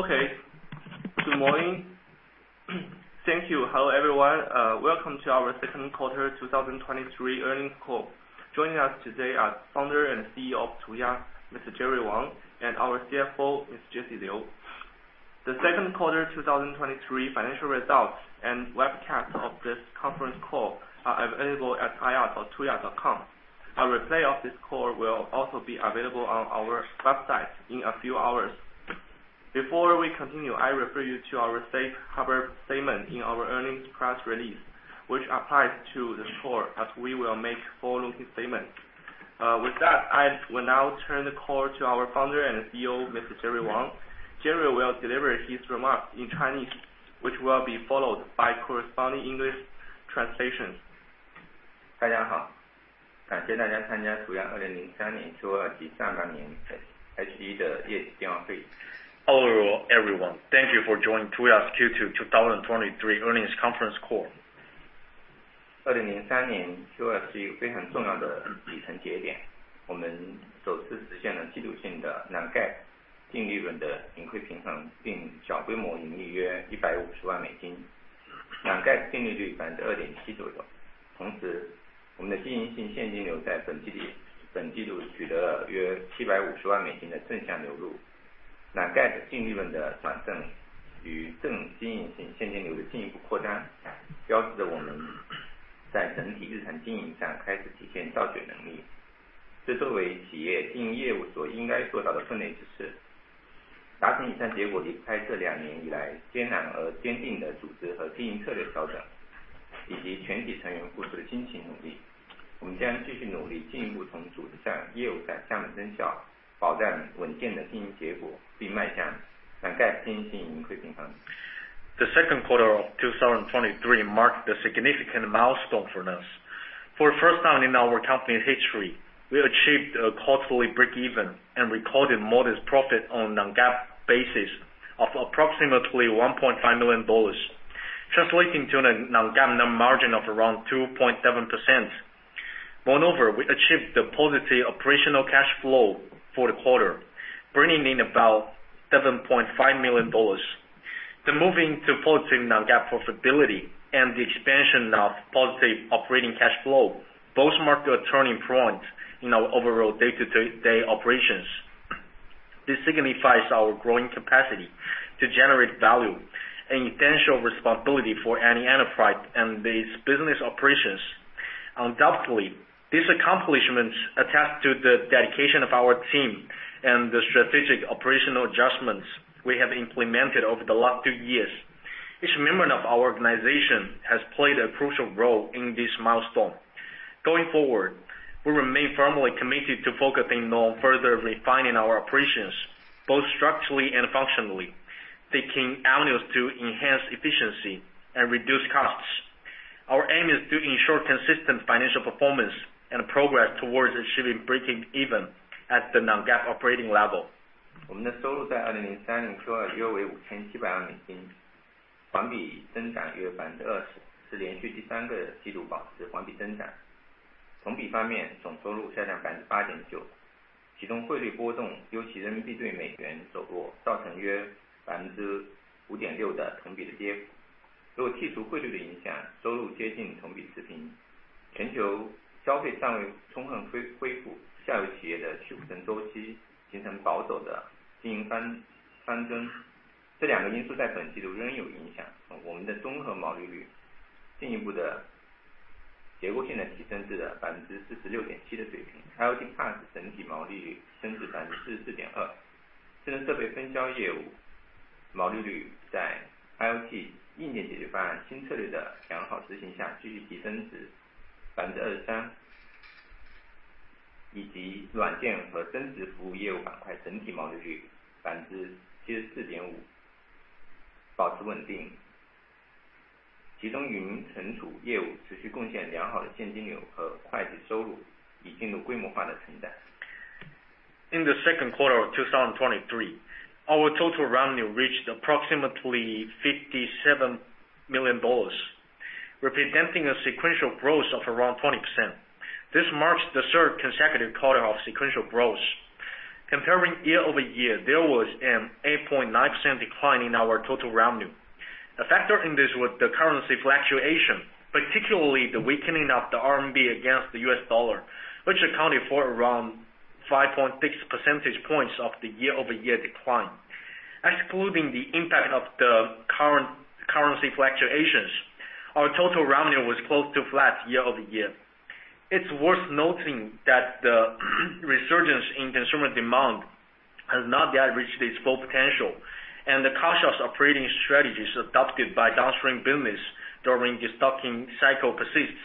Okay. Good morning. Thank you. Hello, everyone. Welcome to our second quarter 2023 earnings call. Joining us today are Founder and CEO of Tuya, Mr. Jerry Wang, and our CFO, Ms. Jessie Liu. The second quarter 2023 financial results and webcast of this conference call are available at ir.tuya.com. A replay of this call will also be available on our website in a few hours. Before we continue, I refer you to our safe harbor statement in our earnings press release, which applies to this call, as we will make forward-looking statements. With that, I will now turn the call to our Founder and CEO, Mr. Jerry Wang. Jerry will deliver his remarks in Chinese, which will be followed by corresponding English translations. 大家好，感谢大家参加图雅2023年Q2及下半年H2的业绩电话会。Overall, everyone, thank you for joining Tuya's Q2 2023 earnings conference call. 2023年 Q2 是一个非常重要的里程碑，我们首次实现了季度性的 Non-GAAP 净利润的盈亏平衡，并小规模盈利约 $1.5 million，Non-GAAP 净利润率 2.7% 左右。同时，我们的经营性现金流在本季度取得了约 $7.5 million 的正向流入。Non-GAAP 净利润的转正与正经营性现金流的进一步扩大，标志着我们在整体日常经营上开始体现造血能力。这作为企业经营业务所应该做到的事。达成以上结果，离不开这两年来艰难而坚定的组织和经营策略调整，以及全体成员付出的辛勤努力，我们将继续努力，进一步从组织上、业务上发力，保障稳定的经营结果，并迈向 Non-GAAP 经营性盈亏平衡。The second quarter of 2023 marked a significant milestone for us. For the first time in our company's history, we achieved a quarterly break even, and recorded modest profit on Non-GAAP basis of approximately $1.5 million, translating to a Non-GAAP net margin of around 2.7%. Moreover, we achieved the positive operational cash flow for the quarter, bringing in about $7.5 million. The moving to positive Non-GAAP profitability, and the expansion of positive operating cash flow both marked a turning point in our overall day-to-day operations. This signifies our growing capacity to generate value, and essential responsibility for any enterprise, and its business operations. Undoubtedly, these accomplishments attest to the dedication of our team and the strategic operational adjustments we have implemented over the last two years. Each member of our organization has played a crucial role in this milestone. Going forward, we remain firmly committed to focusing on further refining our operations, both structurally and functionally, taking avenues to enhance efficiency and reduce costs. Our aim is to ensure consistent financial performance and progress towards achieving breaking even at the Non-GAAP operating level. 我们的收入在2023年Q2约为$57 million，环比增长约20%，是连续第三个季度保持环比增长。同比方面，总收入下降8.9%，其中汇率波动，特别是人民币对美元走弱，造成约5.6%的同比的跌幅。如果剔除汇率的影响，收入接近同比持平。全球消费尚未充分恢复下游企业的库存周期，形成保守的经营翻增。这两个因素在本季度仍有影响，我们的综合毛利率进一步的结构性的提升至了46.7%的水平。IoT PaaS整体毛利率升至44.2%，智能设备分销业务毛利率在IoT硬件解决方案新战略的良好执行下，继续提升至23%。以及软件和增值服务业务板块整体毛利率74.5%，保持稳定。集中云存储业务，持续贡献良好的现金流和会计收入，已进入规模化的阶段。In the second quarter of 2023, our total revenue reached approximately $57 million, representing a sequential growth of around 20%. This marks the third consecutive quarter of sequential growth. Comparing year-over-year, there was an 8.9% decline in our total revenue. A factor in this was the currency fluctuation, particularly the weakening of the RMB against the US dollar, which accounted for around 5.6 % points of the year-over-year decline. Excluding the impact of the current currency fluctuations, our total revenue was close to flat year-over-year. It's worth noting that the resurgence in consumer demand has not yet reached its full potential, and the cautious operating strategies adopted by downstream businesses during the stocking cycle persists,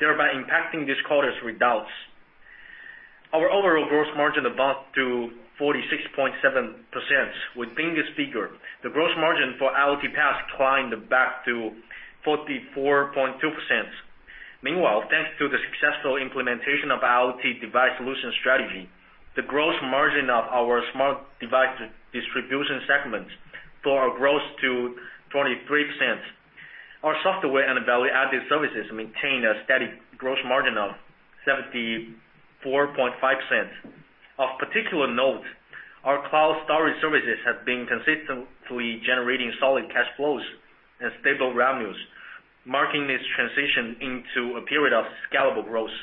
thereby impacting this quarter's results. Our overall gross margin bumped to 46.7%. Within this figure, the gross margin for IoT PaaS climbed back to 44.2%. Meanwhile, thanks to the successful implementation of our IoT device solution strategy, the gross margin of our smart device distribution segment saw a growth to 23%. Our software, and value-added services maintained a steady gross margin of 74.5%. Of particular note, our cloud storage services have been consistently generating solid cash flows and stable revenues, marking this transition into a period of scalable growth.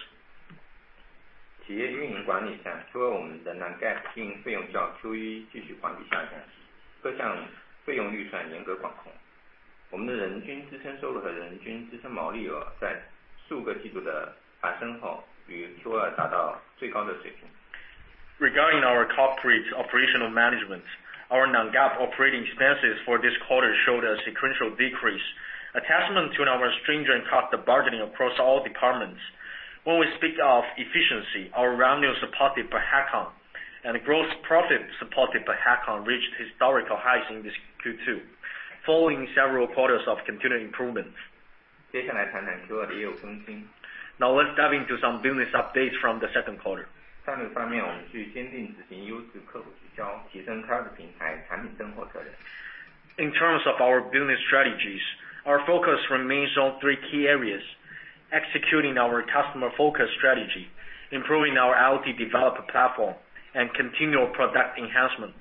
企业运营管理上，除了我们的Non-GAAP经营费用较Q1继续环比下降，各项费用预算严格管控，我们的人均自身收入和人均自身毛利额，在数个季度的上升后，于Q2达到最高水平。Regarding our corporate operational management, our Non-GAAP operating expenses for this quarter showed a sequential decrease, a testament to our stringent cost bargaining across all departments. When we speak of efficiency, our revenue supported per headcount, and gross profit supported per headcount reached historical highs in this Q2, following several quarters of continued improvements. 接下来谈谈Q2的业务更新。Now, let's dive into some business updates from the second quarter. 战略方面，我们继续坚定执行用户客户聚焦，提升产品平台，产品增厚策略。In terms of our business strategies, our focus remains on three key areas: executing our customer-focused strategy, improving our IoT developer platform, and continual product enhancement.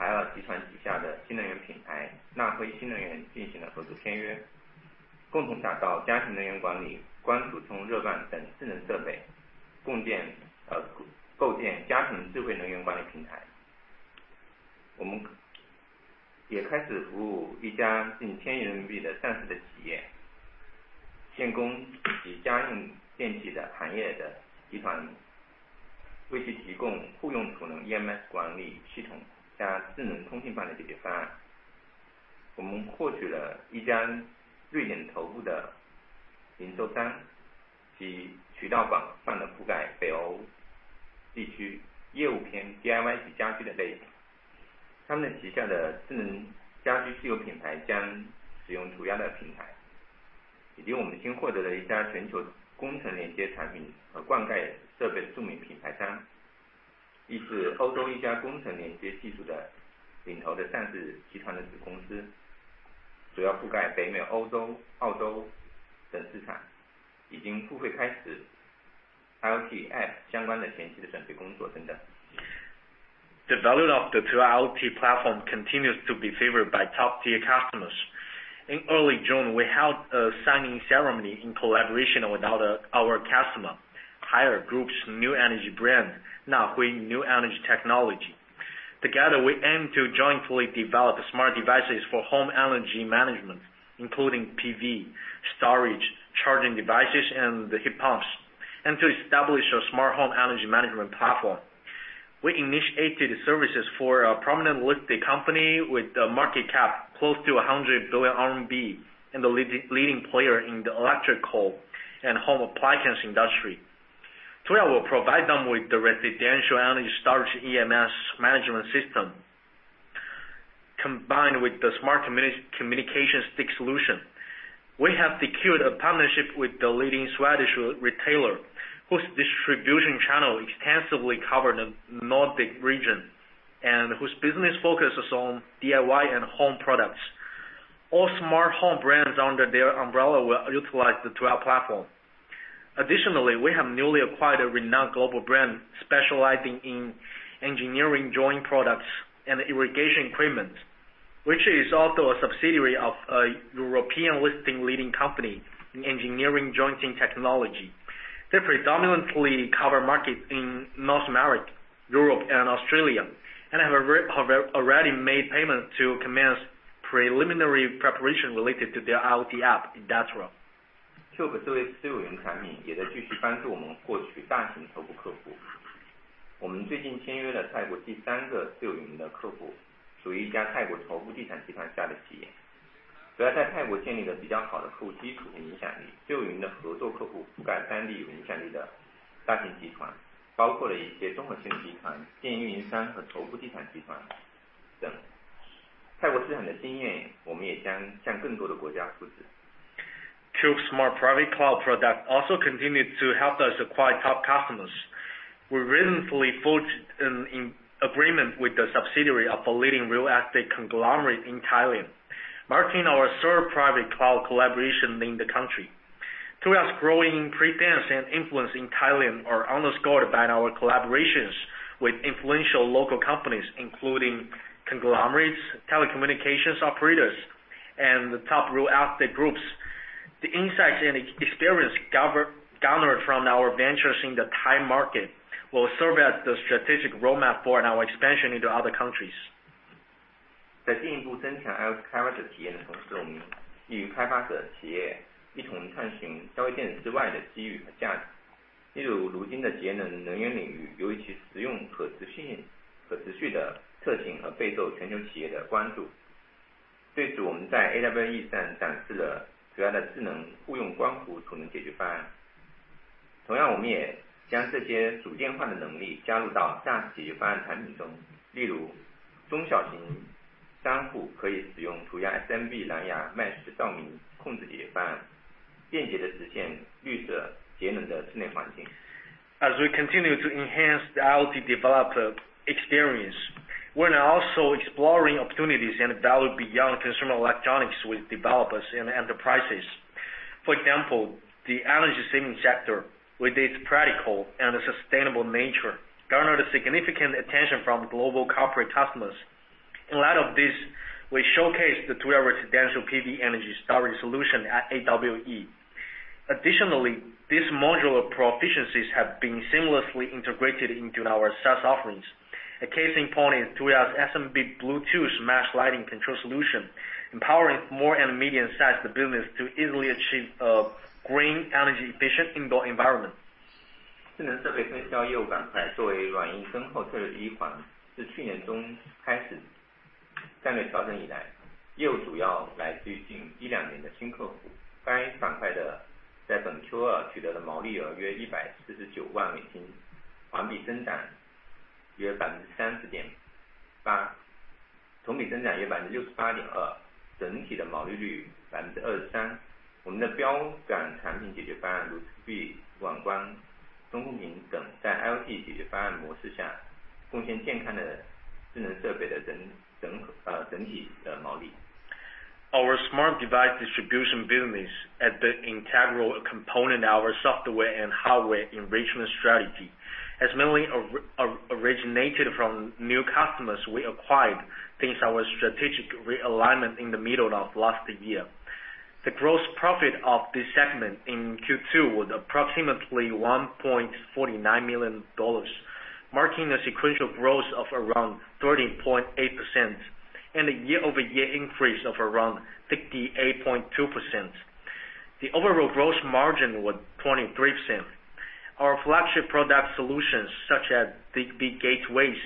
主要IoT平台的价值继续获得重要客户的青睐。六月初，我们与海尔集团旗下的新能源品牌，纳汇新能源进行了合作签约，共同打造家庭能源管理、光储充热泵等智能设备，共建，构建家庭智慧能源管理平台。我们也开始服务一家近CNY 100 The value of the Tuya IoT platform continues to be favored by top-tier customers. In early June, we held a signing ceremony in collaboration with one of our customers, Haier Group's new energy brand, NAHUI New Energy Technology. Together, we aim to jointly develop smart devices for home energy management, including PV, storage, charging devices, and heat pumps, and to establish a smart home energy management platform. We initiated services for a prominent listed company with a market cap close to 100 billion RMB and the leading player in the electrical and home appliance industry. Tuya will provide them with the residential energy storage EMS management system, combined with the smart communication stick solution. We have secured a partnership with the leading Swedish retailer, whose distribution channel extensively covered the Nordic region and whose business focuses on DIY and home products. All smart home brands under their umbrella will utilize the Tuya platform. Additionally, we have newly acquired a renowned global brand specializing in engineering joint products, and irrigation equipment, which is also a subsidiary of a European listing leading company in engineering jointing technology. They predominantly cover markets in North America, Europe, and Australia, and have already made payments to commence preliminary preparation related to their IoT app industrial. Cube, as The insights and experience garnered from our ventures in the Thai market will serve as the strategic roadmap for our expansion into other countries. 在进一步增强IoT服务的体验的同时，我们与开发者、企业一同探寻消费电子之外的机会和价值。例如，如今的节能能源领域，由于其实用和持续性的特性，备受全球企业的关注。对此，我们在AWE上展示了主要的智能互用光伏储能解决方案。同样，我们也将这些智能化能力加入到S解决方案产品中，例如...... 中小型商户可以使用涂鸦SMB蓝牙Mesh照明控制解决方案，便捷地实现绿色节能的室内环境。As we continue to enhance the IoT developer experience, we're now also exploring opportunities and value beyond consumer electronics with developers and enterprises. For example, the energy saving sector, with its practical and sustainable nature, garnered significant attention from global corporate customers. In light of this, we showcased the Tuya residential PV energy storage solution at AWE. Additionally, these modular proficiencies have been seamlessly integrated into our SaaS offerings. A case in point is Tuya's SMB Bluetooth mesh lighting control solution, empowering small- and medium-sized buildings to easily achieve a green, energy-efficient indoor environment. 智能设备分销业务板块作为软硬增厚策略的一款，自去年中开始战略调整以来，业务主要来自于近一两年的新客户。该板块在本Q2取得了毛利额约$1.49 million，环比增长约30.8%，同比增长约68.2%，整体的毛利率23%。我们的标杆产品解决方案，如Zigbee、网关、中控屏等，在IoT解决方案模式下，贡献健康的智能设备的整、整合、整体的毛利。Our smart device distribution business, as the integral component of our software, and hardware enrichment strategy, has mainly originated from new customers we acquired since our strategic realignment in the middle of last year. The gross profit of this segment in Q2 was approximately $1.49 million, marking a sequential growth of around 13.8% and a year-over-year increase of around 58.2%. The overall gross margin was 23%. Our flagship product solutions, such as Zigbee gateways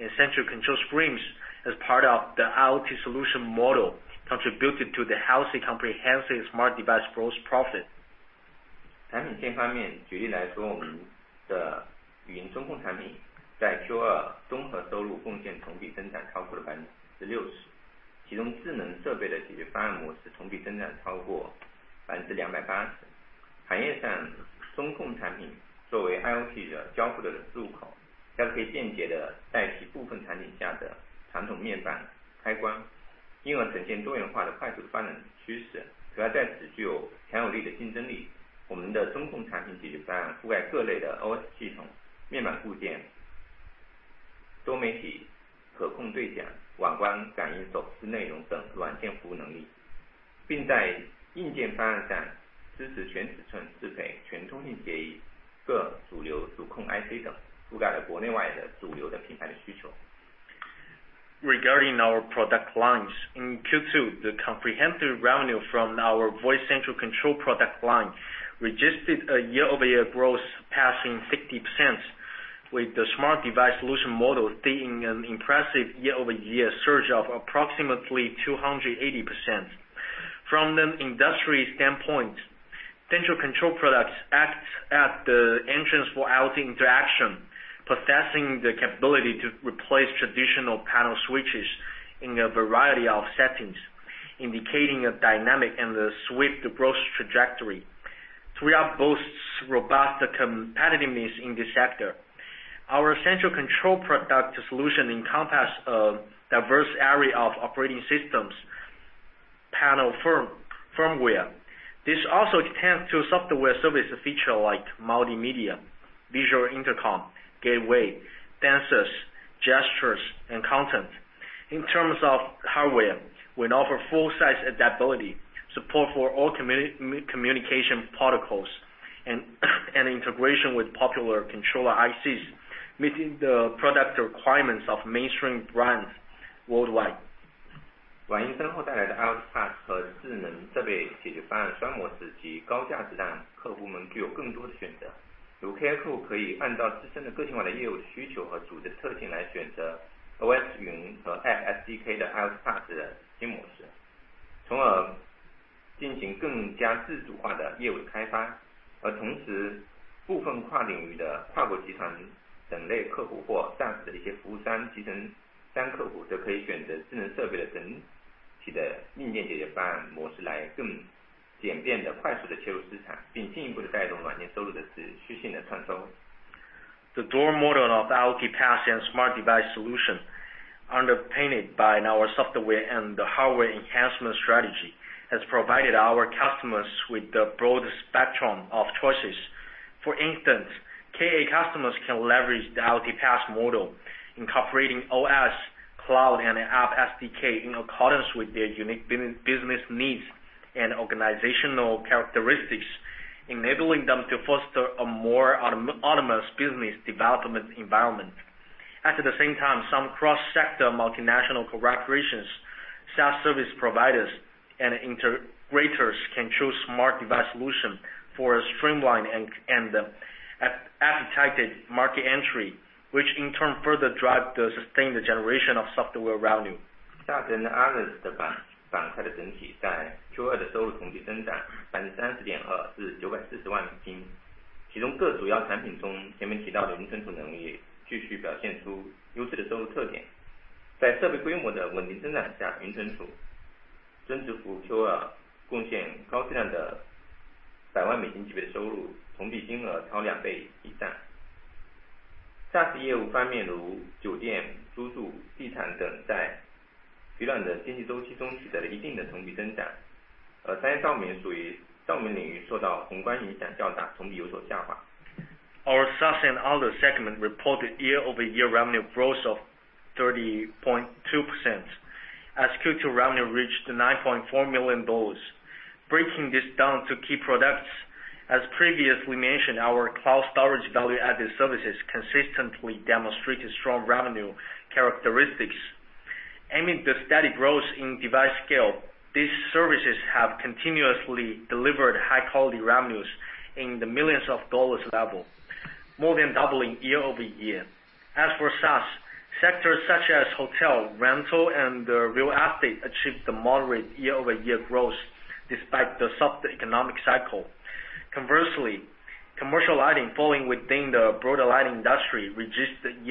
and central control screens, as part of the IoT solution model, contributed to the healthy, comprehensive smart device gross profit. 产品线方面，举例来说，我们的语音中控产品，在 Q2 综合收入贡献同比增长超过了 60%，其中智能设备的解决方案模式同比增长超过 280%。行业上，中控产品作为 IoT 的交互入口，它可以简洁地代替部分产品下的传统面板开关，因而呈现多元化的快速发展趋势，主要在此具有强有力的竞争力。我们的中控产品解决方案，覆盖各类的 OS 系统、面板部件、多媒体可控对象、网关感应走势内容等软件服务能力，并在硬件方案上支持全尺寸适配，全通信协议，各主流主控 IC 等，覆盖了国内外的主流品牌的需求。Regarding our product lines, in Q2, the comprehensive revenue from our voice central control product line registered a year-over-year growth passing 60%, with the smart device solution model seeing an impressive year-over-year surge of approximately 280%. From an industry standpoint, central control products act as the entrance for IoT interaction, possessing the capability to replace traditional panel switches in a variety of settings, indicating a dynamic and swift growth trajectory. Tuya boasts robust competitiveness in this sector. Our central control product solution encompass a diverse array of operating systems, panel firmware. This also extends to software service feature like multimedia, visual intercom, gateway, dances, gestures, and content. In terms of hardware, we offer full-size adaptability, support for all communication protocols, and integration with popular controller ICs, meeting the product requirements of mainstream brands worldwide. The dual model of IoT PaaS and smart device solution, underpinned by our software and the hardware enhancement strategy, has provided our customers with the broad spectrum of choices. For instance, KA customers can leverage the IoT PaaS model, incorporating OS, cloud, and app SDK in accordance with their unique business needs and organizational characteristics, enabling them to foster a more autonomous business development environment. At the same time, some cross-sector multinational corporations, SaaS service providers, and integrators can choose smart device solution for a streamlined and optimized market entry, which in turn further drive the sustained generation of software revenue... SaaS and others的板块的整体在Q2的收入同比增长30.2%，至$9.4 million。其中各主要产品中，前面提到的云存储能力，继续表现出优质的收入特点。在设备规模的稳定增长下，云存储增值服务Q2贡献高质量的$1 million级别的收入，同比金额超2倍以上。SaaS业务方面，如酒店、租住、地产等，在疲软的经济周期中取得了一定的同比增长，而商业照明属于照明领域，受到宏观影响较大，同比有所下滑。Our SaaS and other segment reported year-over-year revenue growth of 30.2%, as Q2 revenue reached $9.4 million. Breaking this down to key products, as previously mentioned, our cloud storage value-added services consistently demonstrated strong revenue characteristics. Amid the steady growth in device scale, these services have continuously delivered high-quality revenues in the $ millions level, more than doubling year-over-year. As for SaaS, sectors such as hotel, rental, and real estate achieved a moderate year-over-year growth, despite the soft economic cycle. Conversely, commercial lighting, falling within the broader lighting industry, registered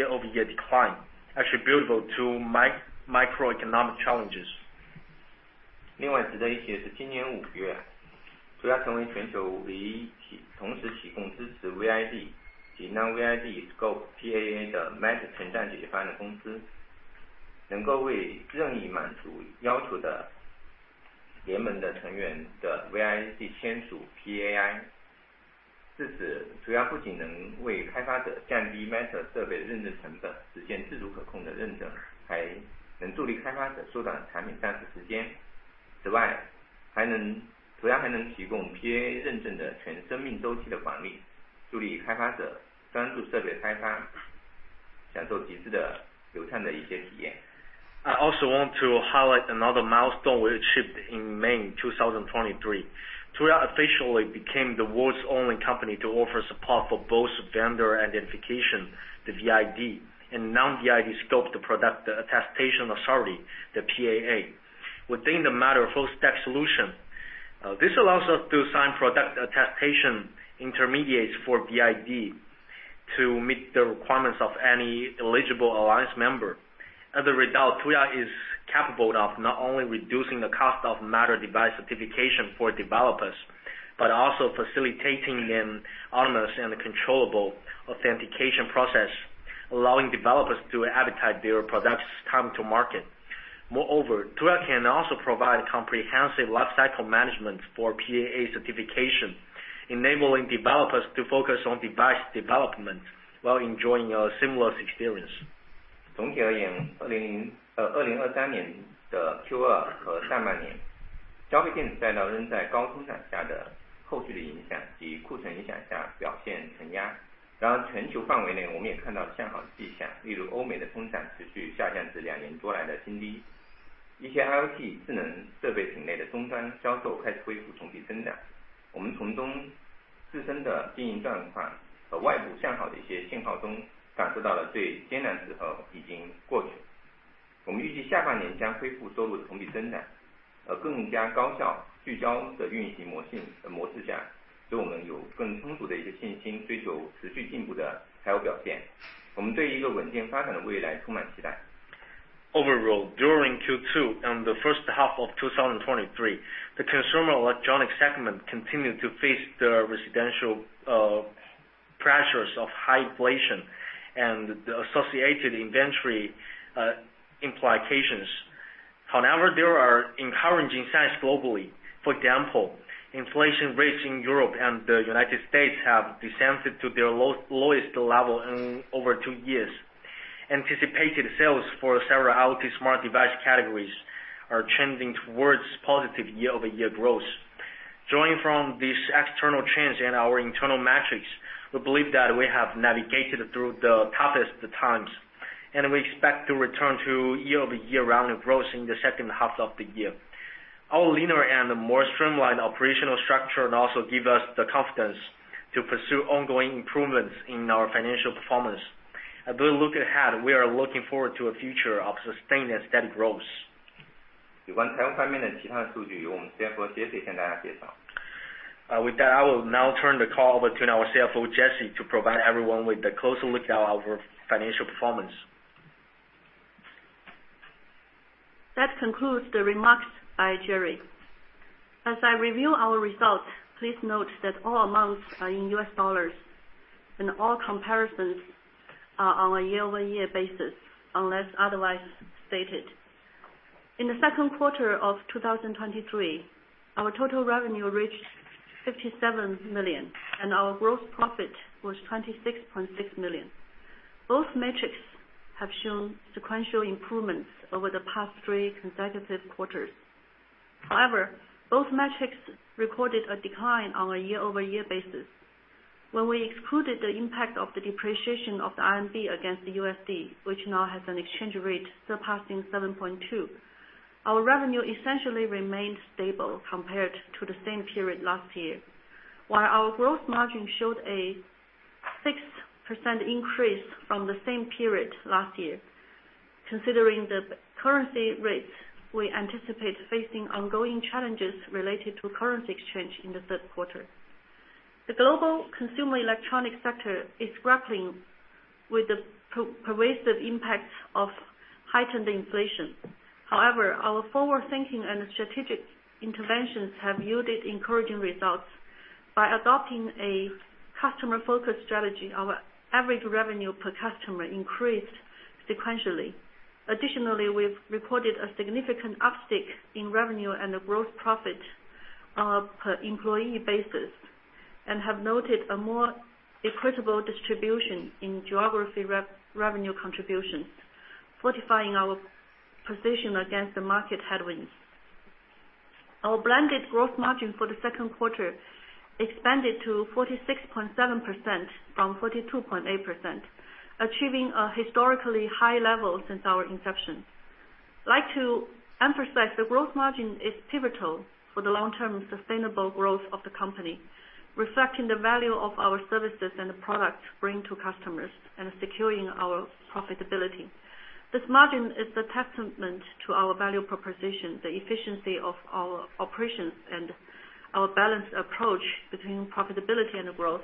a year-over-year decline, attributable to microeconomic challenges. 另外值得一提的是，今年五月，Tuya成为全球唯一同时提供支持VID及Non-VID scope PAA的Matter认证解决方案的公司，能够为任意满足要求的联盟的成员的VID签署PAI。自此，Tuya不仅能为开发者降低Matter设备认证成本，实现自主可控的认证，还能助力开发者缩短产品上市时间。此外，还能 - Tuya还能提供PAI认证的全生命周期的管理，助力开发者专注设备开发，享受极致流畅的一些体验。I also want to highlight another milestone we achieved in May 2023.Tuya officially became the world's only company to offer support for both vendor identification, the VID, and Non-VID scope, the Product Attestation Authority, the PAA, within the Matter full-stack solution. This allows us to sign product attestation intermediates for VID to meet the requirements of any eligible alliance member. As a result, Tuya is capable of not only reducing the cost of Matter device certification for developers, but also facilitating an autonomous and controllable authentication process, allowing developers to advertise their products' time to market. Moreover, Tuya can also provide comprehensive lifecycle management for PAA certification, enabling developers to focus on device development while enjoying a seamless experience. Overall, during Q2 and the first half of 2023, consumer electronics continued to face pressure from the ongoing impacts of still high inflation and inventory effects. However, globally we also see positive signs, for example Europe's and America's inflation continuing to decline to new lows in more than two years, some IoT smart device categories' terminal sales beginning to recover year-over-year growth. We from our own operating conditions and external positive some signals, felt that the most difficult times have passed. We expect the second half to resume revenue's year-over-year growth, while a more efficient focused operating model, uh, mode, gives us more sufficient some confidence, pursuing sustained progress's financial performance. We are full of expectations for a stable developing future. Overall, during Q2 and the first half of 2023, the consumer electronics segment continued to face the residual, uh, pressures of high inflation and the associated inventory, uh, implications. However, there are encouraging signs globally. For example, inflation rates in Europe, and the United States have descended to their lowest level in over two years. Anticipated sales for several IoT smart device categories are trending towards positive year-over-year growth. Drawing from these external trends and our internal metrics, we believe that we have navigated through the toughest times, and we expect to return to year-over-year revenue growth in the second half of the year. Our leaner and more streamlined operational structure also give us the confidence to pursue ongoing improvements in our financial performance. As we look ahead, we are looking forward to a future of sustained and steady growth. 有关财务方面的其他数据，由我们CFO Jessie跟大家介绍。With that, I will now turn the call over to our CFO, Jessie, to provide everyone with a closer look at our financial performance. That concludes the remarks by Jerry. As I review our results, please note that all amounts are in US dollars, and all comparisons are on a year-over-year basis, unless otherwise stated. In the second quarter of 2023, our total revenue reached $57 million, and our gross profit was $26.6 million. Both metrics have shown sequential improvements over the past three consecutive quarters. However, both metrics recorded a decline on a year-over-year basis. When we excluded the impact of the depreciation of the RMB against the USD, which now has an exchange rate surpassing 7.2, our revenue essentially remained stable compared to the same period last year, while our gross margin showed a 6% increase from the same period last year. Considering the currency rates, we anticipate facing ongoing challenges related to currency exchange in the third quarter. The global consumer electronic sector is grappling with the pervasive impact of heightened inflation. However, our forward-thinking, and strategic interventions have yielded encouraging results. By adopting a customer-focused strategy, our average revenue per customer increased sequentially. Additionally, we've reported a significant uptick in revenue, and a gross profit per employee basis, and have noted a more equitable distribution in geography revenue contribution, fortifying our position against the market headwinds. Our blended growth margin for the second quarter expanded to 46.7% from 42.8%, achieving a historically high level since our inception. I'd like to emphasize, the growth margin is pivotal for the long-term sustainable growth of the company, reflecting the value of our services and the products bring to customers and securing our profitability. This margin is a testament to our value proposition, the efficiency of our operations, and our balanced approach between profitability, and growth.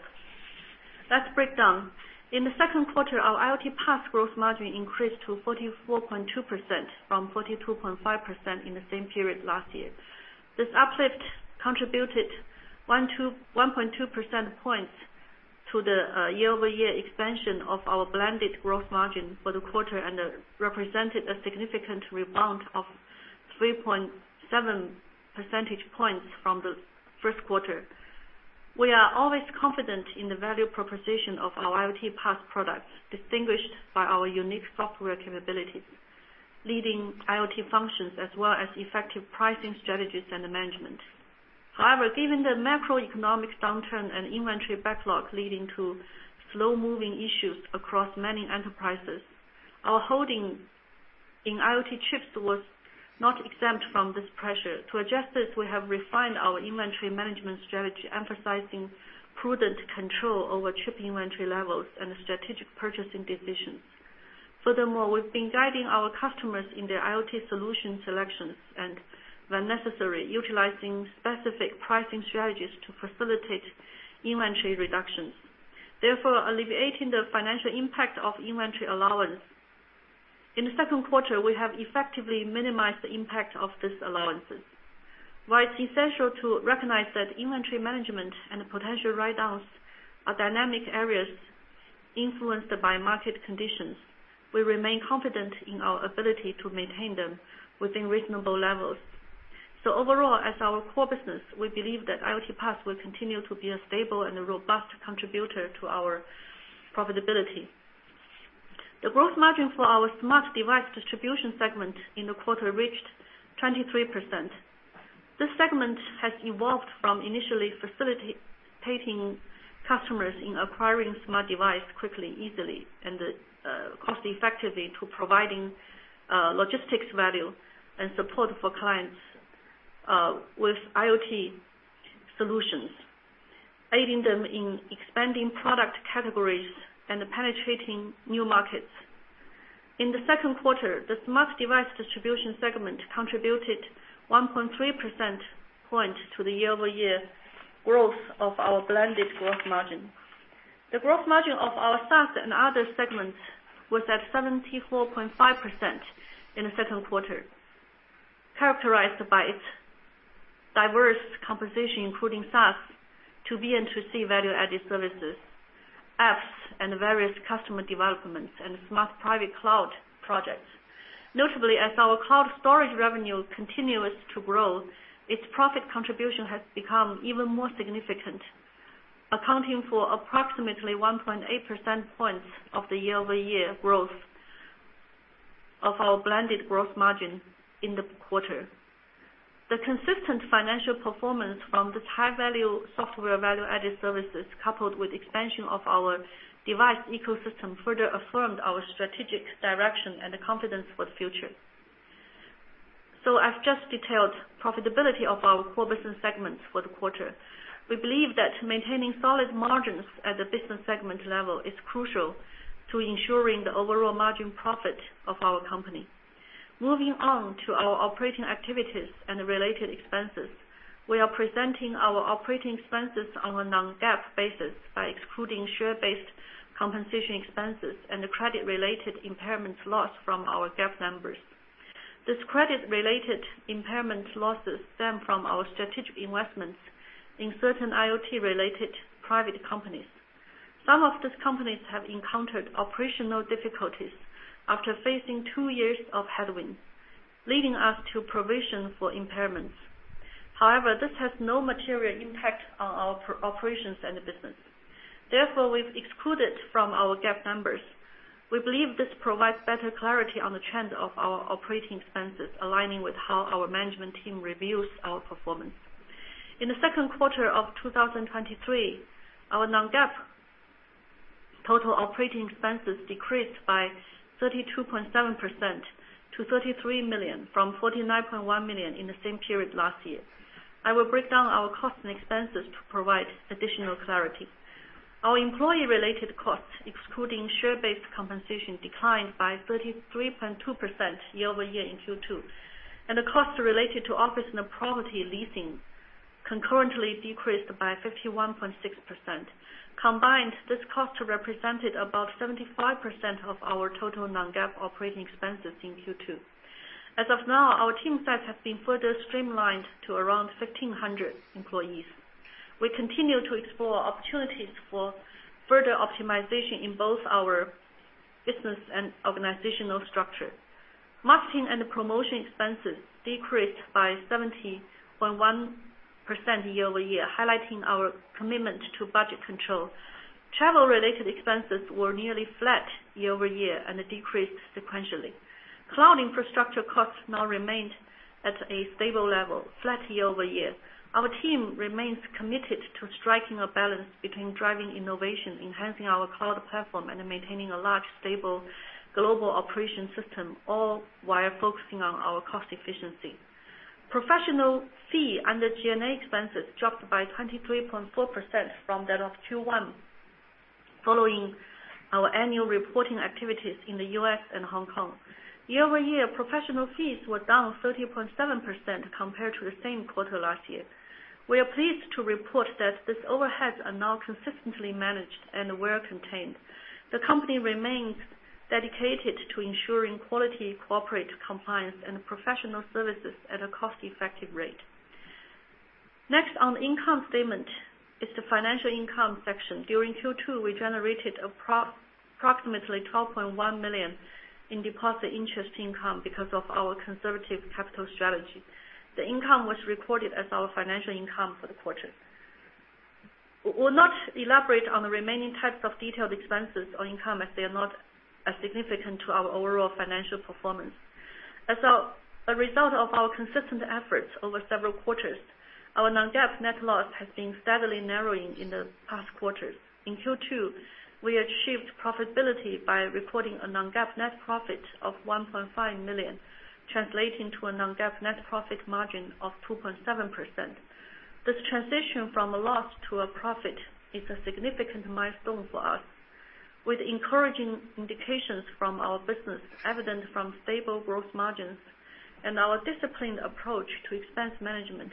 Let's break down. In the second quarter, our IoT PaaS gross margin increased to 44.2% from 42.5% in the same period last year. This uplift contributed 1.2 percentage points to the year-over-year expansion of our blended gross margin for the quarter, and represented a significant rebound of 3.7 % points from the first quarter. We are always confident in the value proposition of our IoT PaaS products, distinguished by our unique software capabilities, leading IoT functions, as well as effective pricing strategies and management. However, given the macroeconomic downturn and inventory backlog leading to slow-moving issues across many enterprises, our holding in IoT chips was not exempt from this pressure. To adjust this, we have refined our inventory management strategy, emphasizing prudent control over chip inventory levels and strategic purchasing decisions. Furthermore, we've been guiding our customers in their IoT solution selections, and when necessary, utilizing specific pricing strategies to facilitate inventory reductions, therefore alleviating the financial impact of inventory allowance. In the second quarter, we have effectively minimized the impact of these allowances. While it's essential to recognize that inventory management and potential write-downs are dynamic areas influenced by market conditions, we remain confident in our ability to maintain them within reasonable levels. Overall, as our core business, we believe that IoT PaaS will continue to be a stable and a robust contributor to our profitability. The growth margin for our smart device distribution segment in the quarter reached 23%. This segment has evolved from initially facilitating customers in acquiring smart device quickly, easily, and cost-effectively, to providing logistics value and support for clients with IoT solutions, aiding them in expanding product categories, and penetrating new markets. In the second quarter, the smart device distribution segment contributed 1.3 % points to the year-over-year growth of our blended growth margin. The growth margin of our SaaS and other segments was at 74.5% in the second quarter, characterized by its diverse composition, including SaaS, to B and to C value-added services, apps, and various customer developments, and smart private cloud projects. Notably, as our cloud storage revenue continues to grow, its profit contribution has become even more significant, accounting for approximately 1.8 % points of the year-over-year growth of our blended growth margin in the quarter. The consistent financial performance from this high-value software value-added services, coupled with expansion of our device ecosystem, further affirmed our strategic direction and confidence for the future. So I've just detailed profitability of our core business segments for the quarter. We believe that maintaining solid margins at the business segment level is crucial to ensuring the overall margin profit of our company. Moving on to our operating activities and related expenses. We are presenting our operating expenses on a Non-GAAP basis by excluding share-based compensation expenses and the credit-related impairment loss from our GAAP numbers. This credit-related impairment losses stem from our strategic investments in certain IoT-related private companies. Some of these companies have encountered operational difficulties after facing two years of headwinds, leading us to provision for impairments. However, this has no material impact on our operations and the business. Therefore, we've excluded from our GAAP numbers. We believe this provides better clarity on the trend of our operating expenses, aligning with how our management team reviews our performance. In the second quarter of 2023, our non-GAAP total operating expenses decreased by 32.7% to $33 million from $49.1 million in the same period last year. I will break down our costs and expenses to provide additional clarity. Our employee-related costs, excluding share-based compensation, declined by 33.2% year-over-year in Q2, and the costs related to office and property leasing concurrently decreased by 51.6%. Combined, this cost represented about 75% of our total non-GAAP operating expenses in Q2. As of now, our team size has been further streamlined to around 1,500 employees. We continue to explore opportunities for further optimization in both our business and organizational structure. Marketing and promotion expenses decreased by 70.1% year-over-year, highlighting our commitment to budget control. Travel-related expenses were nearly flat year-over-year and decreased sequentially. Cloud infrastructure costs now remained at a stable level, flat year-over-year. Our team remains committed to striking a balance between driving innovation, enhancing our cloud platform and maintaining a large, stable global operation system, all while focusing on our cost efficiency. Professional fee, and the G&A expenses dropped by 23.4% from that of Q1, following our annual reporting activities in the U.S. and Hong Kong. Year-over-year, professional fees were down 13.7% compared to the same quarter last year. We are pleased to report that these overheads are now consistently managed and well-contained. The company remains dedicated to ensuring quality, corporate compliance, and professional services at a cost-effective rate. Next on the income statement is the financial income section. During Q2, we generated approximately $12.1 million in deposit interest income because of our conservative capital strategy. The income was recorded as our financial income for the quarter. We will not elaborate on the remaining types of detailed expenses or income as they are not as significant to our overall financial performance. As a result of our consistent efforts over several quarters, our non-GAAP net loss has been steadily narrowing in the past quarters. In Q2, we achieved profitability by recording a non-GAAP net profit of $1.5 million, translating to a non-GAAP net profit margin of 2.7%. This transition from a loss to a profit is a significant milestone for us. With encouraging indications from our business, evident from stable growth margins and our disciplined approach to expense management,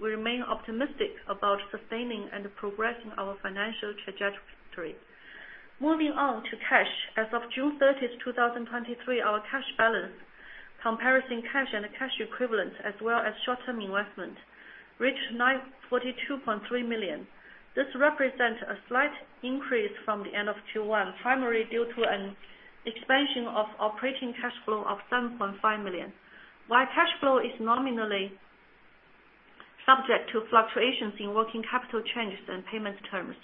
we remain optimistic about sustaining and progressing our financial trajectory. Moving on to cash. As of June 30, 2023, our cash balance, cash and cash equivalents, as well as short-term investments, reached $942.3 million. This represents a slight increase from the end of Q1, primarily due to an expansion of operating cash flow of $7.5 million. While cash flow is nominally subject to fluctuations in working capital changes and payment terms,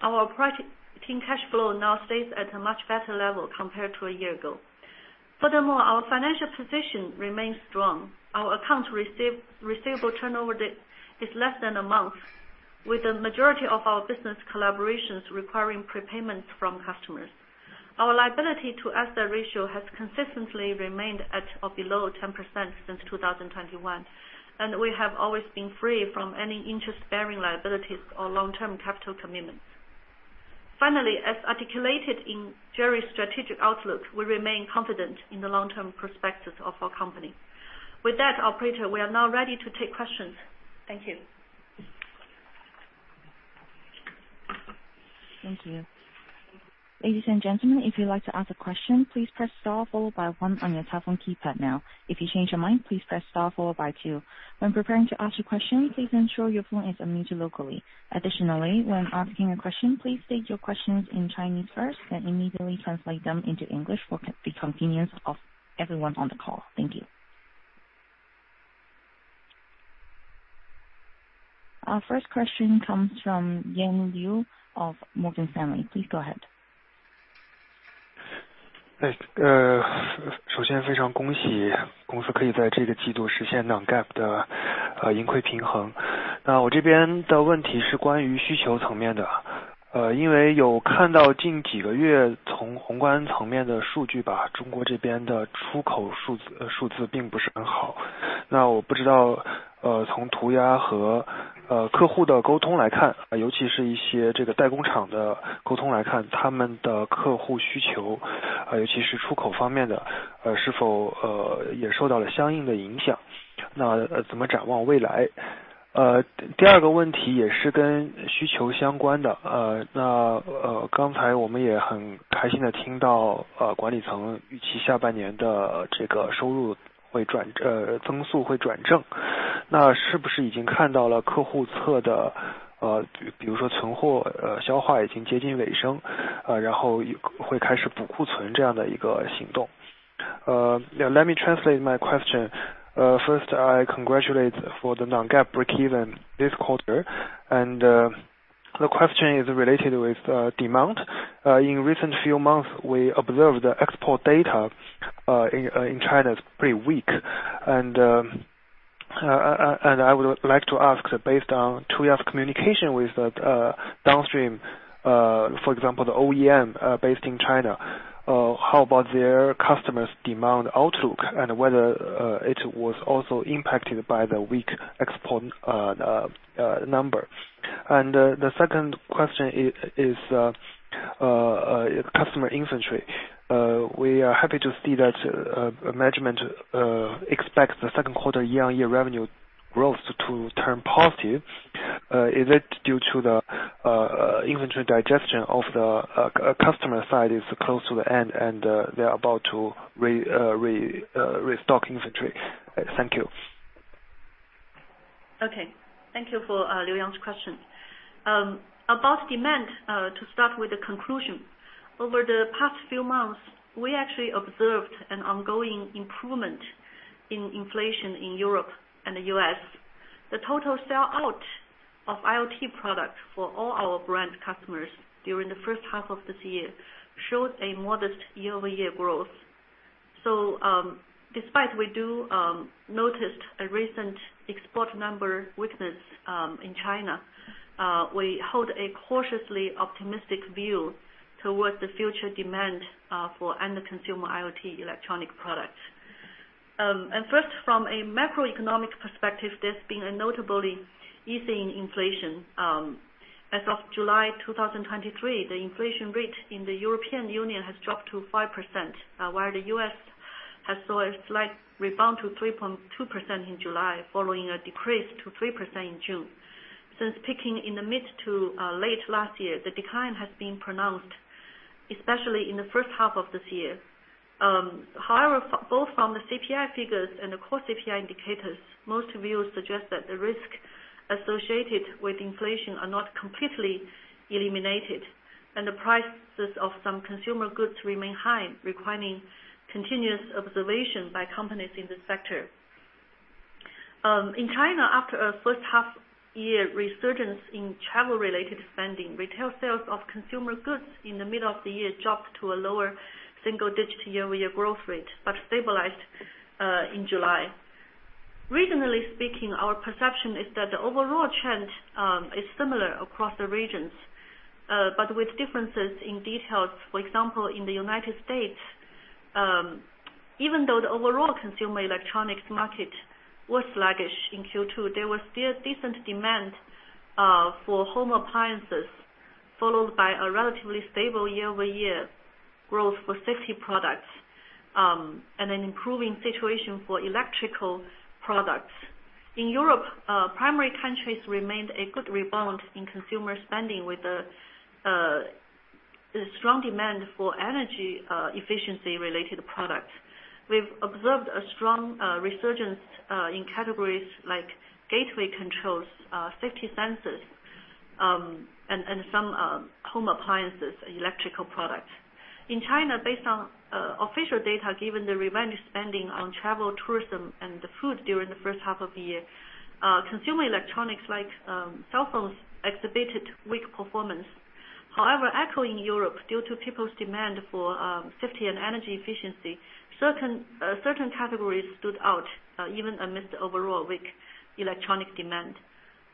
our operating cash flow now stays at a much better level compared to a year ago. Furthermore, our financial position remains strong. Our accounts receivable turnover days is less than a month, with the majority of our business collaborations requiring prepayments from customers. Our liability to asset ratio has consistently remained at or below 10% since 2021, and we have always been free from any interest-bearing liabilities or long-term capital commitments. Finally, as articulated in Jerry's strategic outlook, we remain confident in the long-term perspectives of our company. With that, operator, we are now ready to take questions. Thank you. Thank you. Ladies and gentlemen, if you'd like to ask a question, please press star followed by one on your telephone keypad now. If you change your mind, please press star followed by two. When preparing to ask your question, please ensure your phone is unmuted locally. Additionally, when asking a question, please state your questions in Chinese first, then immediately translate them into English for the convenience of everyone on the call. Thank you. Our first question comes from Yang Liu of Morgan Stanley. Please go ahead. Let me translate my question. First, I congratulate for the Non-GAAP breakeven this quarter, and the question is related with demand. In recent few months, we observed the export data in China is pretty weak. And I would like to ask, based on two years communication with the downstream, for example, the OEM based in China, how about their customers' demand outlook and whether it was also impacted by the weak export number? And the second question is customer inventory. We are happy to see that management expects the second quarter year-on-year revenue growth to turn positive. Is it due to the inventory digestion of the customer side is close to the end, and they are about to restock inventory? Thank you. Okay. Thank you for Yang Liu's question. About demand, to start with the conclusion, over the past few months, we actually observed an ongoing improvement in inflation in Europe and the U.S. The total sellout of IoT products for all our brand customers during the first half of this year showed a modest year-over-year growth. So, despite we do noticed a recent export number weakness in China, we hold a cautiously optimistic view towards the future demand for end consumer IoT electronic products. And first, from a macroeconomic perspective, there's been a notably easing inflation. As of July 2023, the inflation rate in the European Union has dropped to 5%, while the U.S. has saw a slight rebound to 3.2% in July, following a decrease to 3% in June. Since peaking in the mid to late last year, the decline has been pronounced, especially in the first half of this year. However, both from the CPI figures and the core CPI indicators, most views suggest that the risk associated with inflation are not completely eliminated, and the prices of some consumer goods remain high, requiring continuous observation by companies in this sector. In China, after a first half year resurgence in travel-related spending, retail sales of consumer goods in the middle of the year dropped to a lower single digit year-over-year growth rate, but stabilized in July. Regionally speaking, our perception is that the overall trend is similar across the regions, but with differences in details. For example, in the United States, even though the overall consumer electronics market was sluggish in Q2, there was still decent demand for home appliances, followed by a relatively stable year-over-year growth for safety products, and an improving situation for electrical products. In Europe, primary countries remained a good rebound in consumer spending, with a strong demand for energy efficiency-related products. We've observed a strong resurgence in categories like gateway controls, safety sensors, and some home appliances, electrical products. In China, based on official data, given the revenge spending on travel, tourism, and food during the first half of the year, consumer electronics like cell phones exhibited weak performance. However, in Europe, due to people's demand for safety and energy efficiency, certain categories stood out, even amidst the overall weak electronics demand.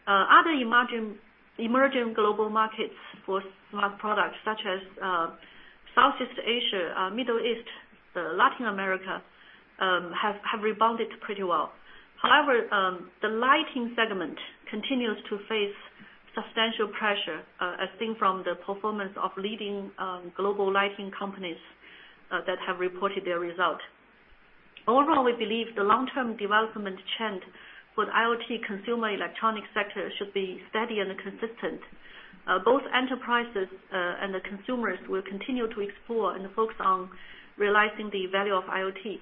Other emerging global markets for smart products such as Southeast Asia, Middle East, Latin America, have rebounded pretty well. However, the lighting segment continues to face substantial pressure, as seen from the performance of leading global lighting companies that have reported their results. Overall, we believe the long-term development trend for the IoT consumer electronics sector should be steady and consistent. Both enterprises and the consumers will continue to explore and focus on realizing the value of IoT.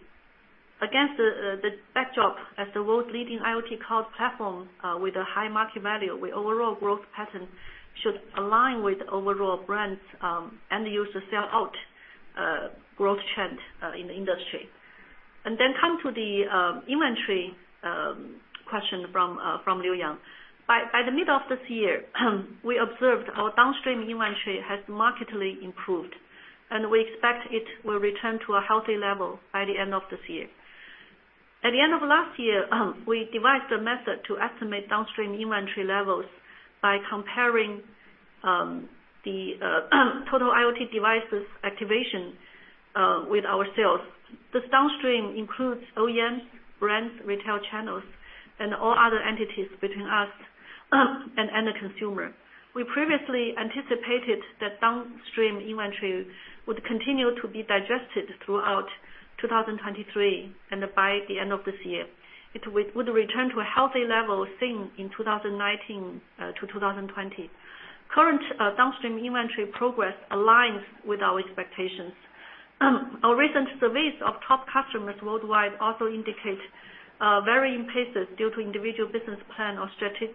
Against the backdrop as the world's leading IoT cloud platform with a high market value, the overall growth pattern should align with overall brands and user sellout growth trend in the industry. Then come to the inventory question from Yang Liu. By the middle of this year, we observed our downstream inventory has markedly improved, and we expect it will return to a healthy level by the end of this year. At the end of last year, we devised a method to estimate downstream inventory levels by comparing the total IoT devices activation with our sales. This downstream includes OEMs, brands, retail channels, and all other entities between us and the consumer. We previously anticipated that downstream inventory would continue to be digested throughout 2023, and by the end of this year, it would return to a healthy level seen in 2019 to 2020. Current downstream inventory progress aligns with our expectations. Our recent surveys of top customers worldwide also indicate varying paces due to individual business plan or strategies.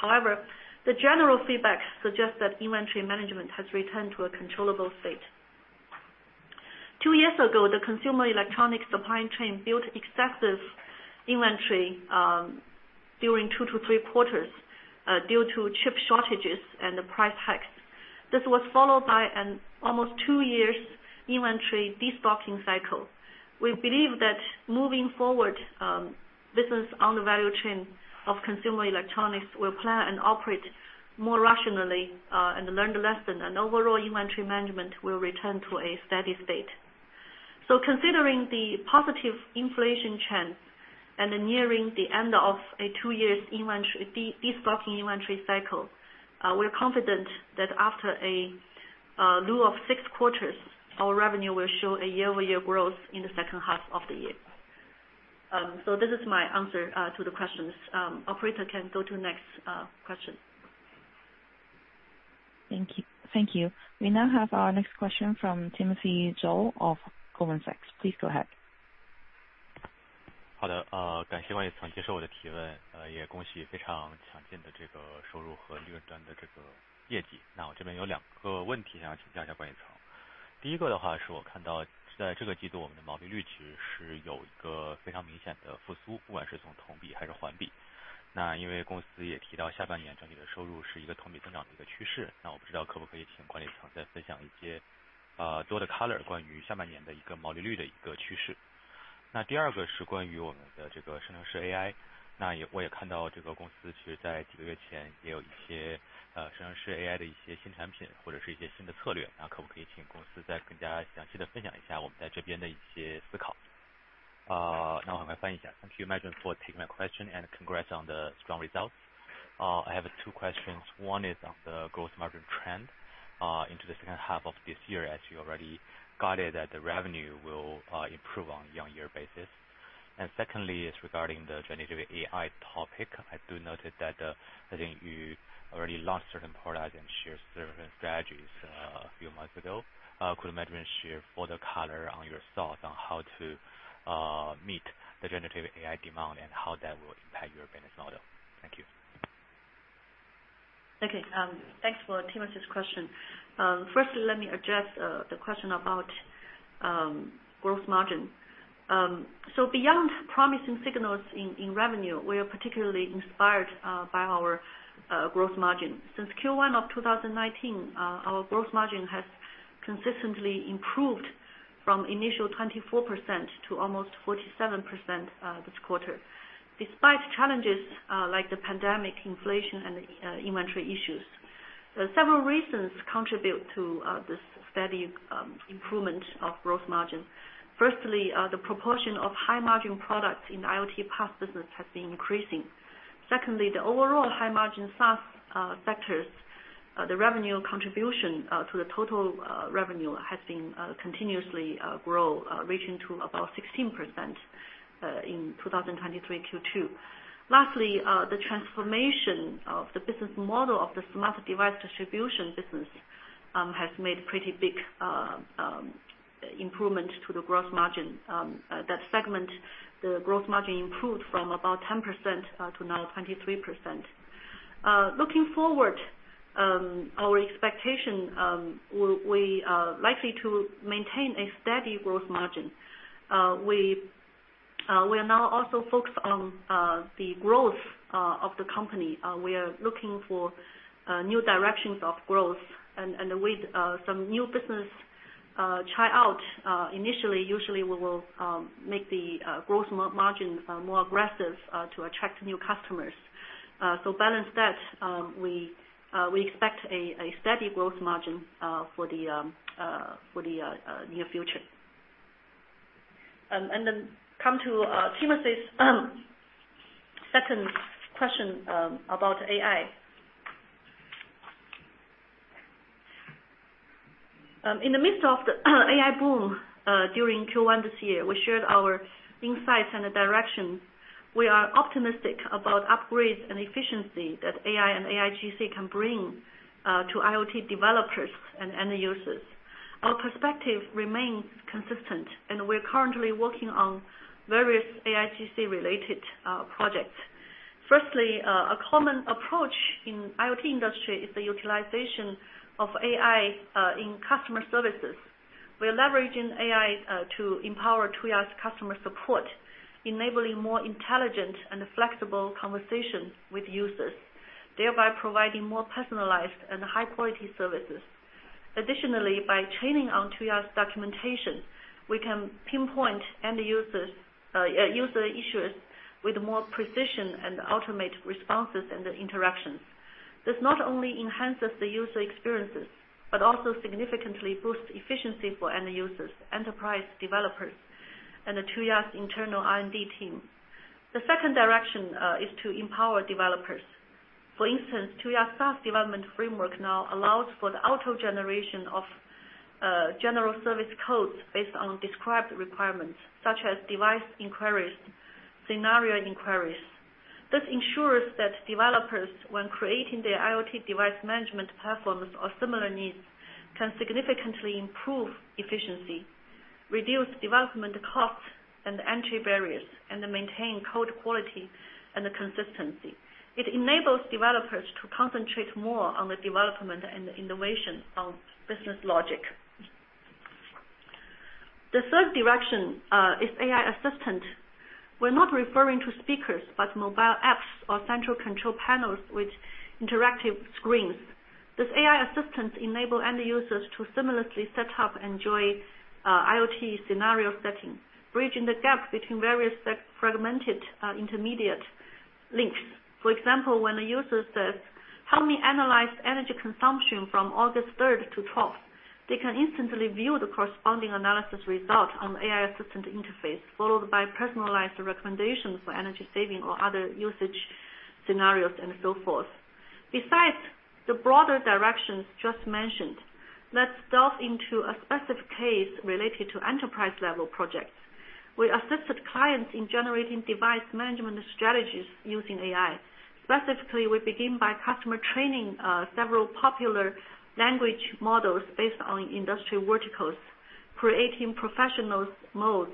However, the general feedback suggests that inventory management has returned to a controllable state. Two years ago, the consumer electronics supply chain built excessive inventory during two to three quarters due to chip shortages and the price hikes. This was followed by an almost two years inventory destocking cycle. We believe that moving forward, business on the value chain of consumer electronics will plan, and operate more rationally and learn the lesson and overall inventory management will return to a steady state. Considering the positive inflation trend and nearing the end of a two-year inventory de-stocking inventory cycle, we're confident that after a lull of six quarters, our revenue will show a year-over-year growth in the second half of the year. So this is my answer to the questions. Operator, can go to next question. Thank you. Thank you. We now have our next question from Timothy Zhao of Goldman Sachs. Please go ahead. Hello. 语通，感谢管理层接受我的提问，也恭喜非常强劲的这个收入和利润端的这个业绩。那我这边有两个问题想要请教一下管理层。第一个的话是我看到在这个季度我们的毛利率其实是有一个非常明显的复苏，不管是从同比还是环比，那因为公司也提到下半年整体的收入是一个同比增长的一个趋势，那我不知道可不可以请管理层再分享一些，多的color，关于下半年的一个毛利率的一个趋势。那第二个是关于我们的这个生成式AI，那我也看到这个公司其实在几个月前也有一些，生成式AI的一些新产品，或者是一些新的策略，那可不可以请公司再更加详细地分享一下我们在这边的一些思考。那我很快翻译一下。Thank you, management, for taking my question, and congrats on the strong results. I have two questions. One is on the growth margin trend, into the second half of this year, as you already guided, that the revenue will improve on year-on-year basis. And secondly, is regarding the generative AI topic. I do notice that, I think you already launched certain products and shared certain strategies, a few months ago. Could management share further color on your thoughts on how to meet the generative AI demand and how that will impact your business model? Thank you. Okay. Thanks for Timothy's question. Firstly, let me address the question about gross margin. So beyond promising signals in revenue, we are particularly inspired by our gross margin. Since Q1 of 2019, our gross margin has consistently improved from initial 24% to almost 47%, this quarter, despite challenges like the pandemic, inflation, and inventory issues. Several reasons contribute to this steady improvement of gross margin. Firstly, the proportion of high-margin products in the IoT PaaS business has been increasing. Secondly, the overall high-margin SaaS sectors, the revenue contribution to the total revenue has been continuously growing, reaching to about 16% in 2023 Q2. Lastly, the transformation of the business model of the smart device distribution business has made pretty big improvement to the growth margin. That segment, the growth margin improved from about 10% to now 23%. Looking forward, our expectation, we are likely to maintain a steady growth margin. We are now also focused on the growth of the company. We are looking for new directions of growth and with some new business try out initially, usually we will make the growth margin more aggressive to attract new customers. So balance that, we expect a steady growth margin for the near future. And then come to Timothy's second question about AI. In the midst of the AI boom during Q1 this year, we shared our insights and the direction. We are optimistic about upgrades and efficiency that AI and AIGC can bring to IoT developers and end users. Our perspective remains consistent, and we're currently working on various AIGC-related projects. Firstly, a common approach in IoT industry is the utilization of AI in customer services. We are leveraging AI to empower Tuya's customer support, enabling more intelligent and flexible conversations with users, thereby providing more personalized and high-quality services. Additionally, by training on Tuya's documentation, we can pinpoint end users user issues with more precision and automate responses and interactions. This not only enhances the user experiences, but also significantly boosts efficiency for end users, enterprise developers, and the Tuya's internal R&D team. The second direction is to empower developers. For instance, Tuya's fast development framework now allows for the auto generation of general service codes based on described requirements, such as device inquiries, scenario inquiries. This ensures that developers, when creating their IoT device management platforms or similar needs, can significantly improve efficiency, reduce development costs and entry barriers, and maintain code quality and consistency. It enables developers to concentrate more on the development and innovation of business logic....The third direction is AI assistant. We're not referring to speakers, but mobile apps or central control panels with interactive screens. This AI assistants enable end users to seamlessly set up and enjoy IoT scenario setting, bridging the gap between various fragmented intermediate links. For example, when a user says, "Help me analyze energy consumption from August third to twelfth," they can instantly view the corresponding analysis result on the AI assistant interface, followed by personalized recommendations for energy saving or other usage scenarios, and so forth. Besides the broader directions just mentioned, let's delve into a specific case related to enterprise-level projects. We assisted clients in generating device management strategies using AI. Specifically, we begin by custom training several popular language models based on industry verticals, creating professional models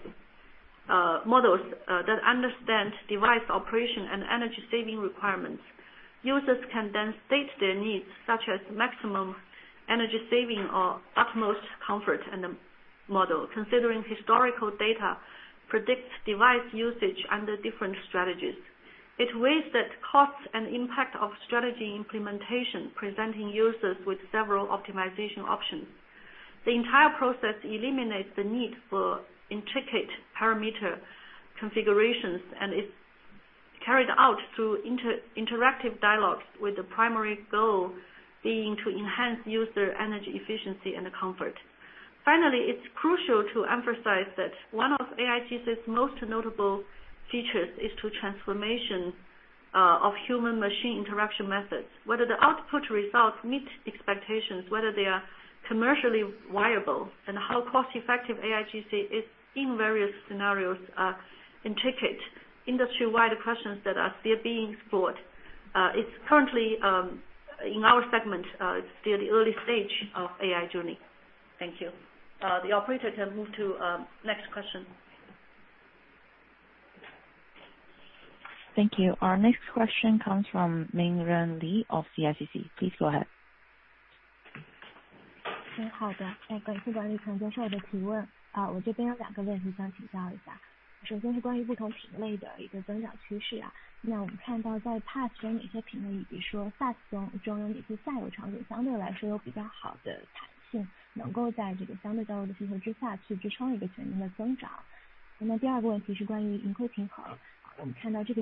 that understand device operation and energy saving requirements. Users can then state their needs, such as maximum energy saving or utmost comfort. The model, considering historical data, predicts device usage under different strategies. It weighs the costs and impact of strategy implementation, presenting users with several optimization options. The entire process eliminates the need for intricate parameter configurations, and it's carried out through interactive dialogue, with the primary goal being to enhance user energy efficiency and comfort. Finally, it's crucial to emphasize that one of AIGC's most notable features is the transformation of human-machine interaction methods. Whether the output results meet expectations, whether they are commercially viable, and how cost-effective AIGC is in various scenarios are intricate industry-wide questions that are still being explored. It's currently in our segment; it's still the early stage of the AI journey. Thank you. The operator can move to the next question. Thank you. Our next question comes from Ming Ren Lee of CICC. Please go ahead. Okay. Let me translate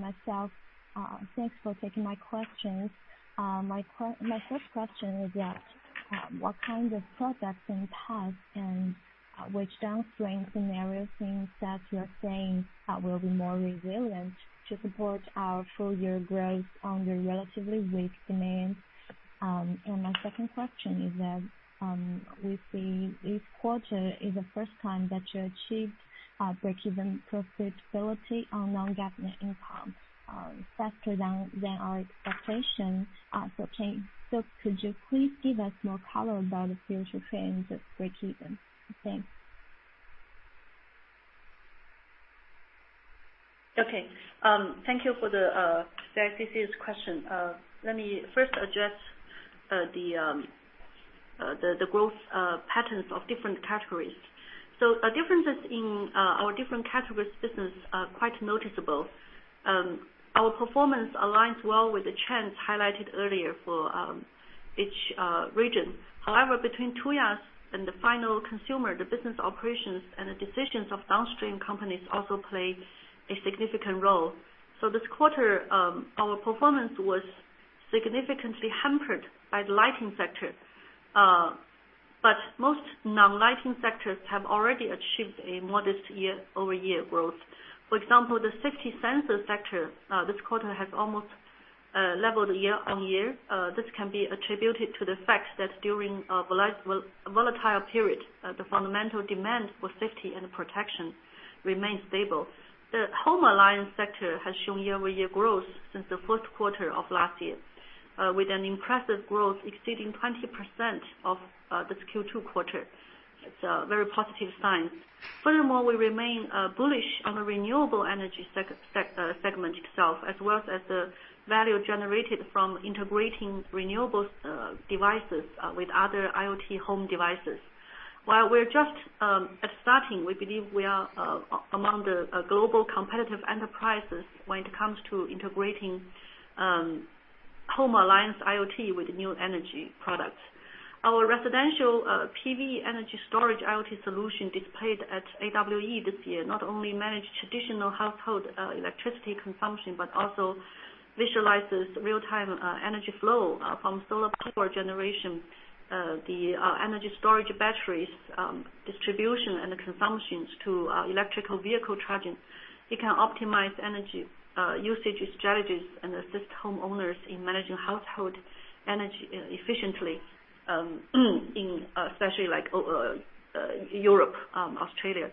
myself. Thanks for taking my questions. My first question is that what kind of products in PaaS and which downstream scenarios means that you're saying will be more resilient to support our full year growth under relatively weak demand? And my second question is that we see this quarter is the first time that you achieved breakeven profitability on non-GAAP net income faster than our expectations for change. So could you please give us more color about the future trends of breakeven? Thanks. Okay. Thank you for the CICC's question. Let me first address the growth patterns of different categories. So the differences in our different categories business are quite noticeable. Our performance aligns well with the trends highlighted earlier for each region. However, between Tuya's and the final consumer, the business operations and the decisions of downstream companies also play a significant role. So this quarter, our performance was significantly hampered by the lighting sector, but most non-lighting sectors have already achieved a modest year-over-year growth. For example, the safety sensor sector, this quarter, has almost leveled year-over-year. This can be attributed to the fact that during a volatile period, the fundamental demand for safety and protection remained stable. The home alliance sector has shown year-over-year growth since the first quarter of last year, with an impressive growth exceeding 20% of this Q2 quarter. It's a very positive sign. Furthermore, we remain bullish on the renewable energy segment itself, as well as the value generated from integrating renewables devices with other IoT home devices. While we're just at starting, we believe we are among the global competitive enterprises when it comes to integrating home alliance IoT with new energy products. Our residential PV energy storage IoT solution displayed at AWE this year not only manage traditional household electricity consumption, but also visualizes real-time energy flow from solar power generation, the energy storage batteries, distribution and the consumptions to electric vehicle charging. It can optimize energy usage strategies, and assist homeowners in managing household energy efficiently, especially like Europe, Australia.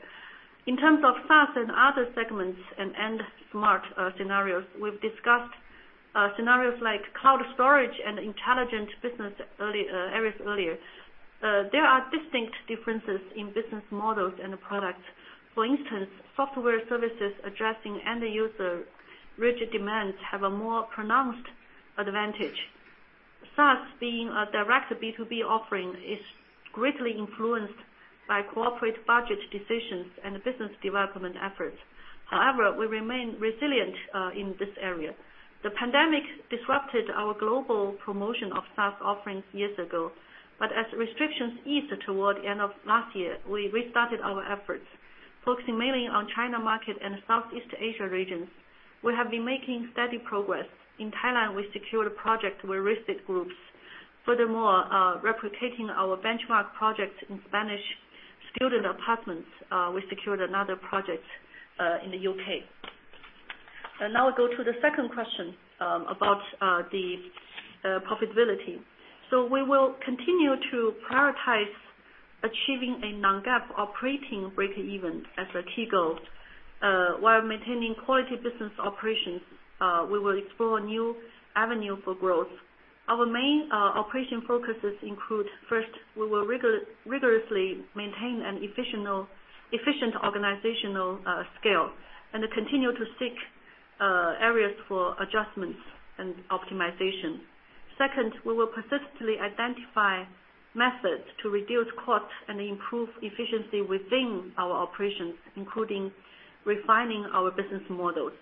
In terms of SaaS and other segments and end smart scenarios, we've discussed scenarios like cloud storage and intelligent business earlier areas earlier. There are distinct differences in business models and the products. For instance, software services addressing end user rigid demands have a more pronounced advantage. SaaS, being a direct B2B offering, is greatly influenced by corporate budget decisions and business development efforts. However, we remain resilient in this area. The pandemic disrupted our global promotion of SaaS offerings years ago, but as restrictions eased toward the end of last year, we restarted our efforts, focusing mainly on China market and Southeast Asia regions. We have been making steady progress. In Thailand, we secured a project with Riset Groups. Furthermore, replicating our benchmark project in Spanish student apartments, we secured another project in the UK. And now go to the second question about the profitability. So we will continue to prioritize achieving a non-GAAP operating breakeven as a key goal while maintaining quality business operations, we will explore new avenue for growth. Our main operation focuses include, first, we will rigorously maintain an efficient organizational scale, and continue to seek areas for adjustments and optimization. Second, we will persistently identify methods to reduce costs and improve efficiency within our operations, including refining our business models.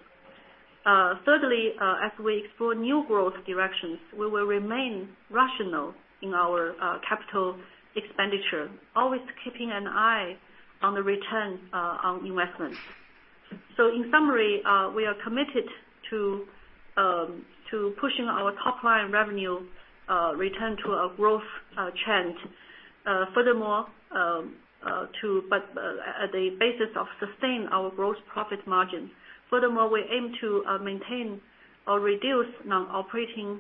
Thirdly, as we explore new growth directions, we will remain rational in our capital expenditure, always keeping an eye on the return on investment. In summary, we are committed to pushing our top-line revenue return to a growth trend. Furthermore, at the basis of sustain our gross profit margin. Furthermore, we aim to maintain or reduce non-operating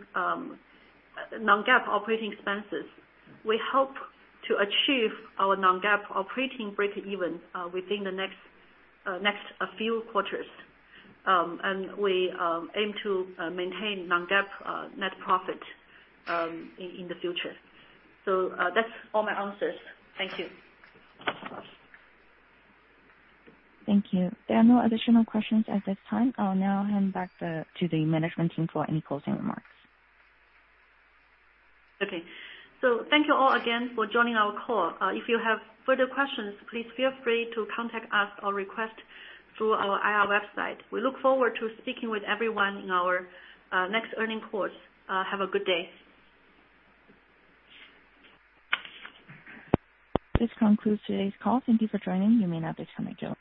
non-GAAP operating expenses. We hope to achieve our non-GAAP operating breakeven within the next few quarters. And we aim to maintain non-GAAP net profit in the future. So, that's all my answers. Thank you. Thank you. There are no additional questions at this time. I'll now hand back to the management team for any closing remarks. Okay. So thank you all again for joining our call. If you have further questions, please feel free to contact us or request through our IR website. We look forward to speaking with everyone in our next earnings calls. Have a good day. This concludes today's call. Thank you for joining. You may now disconnect.